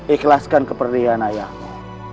ikhlaskan keperdian ayahmu